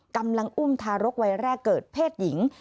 กำลังอุ้มทารกวัยแรกเกิดเพศหญิง